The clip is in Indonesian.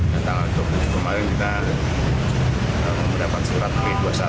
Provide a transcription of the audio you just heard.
dan tanggal dua belas jum'at kita mendapat surat p dua puluh satu